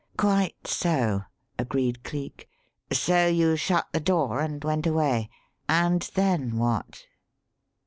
"Quite so," agreed Cleek. "So you shut the door and went away and then what?"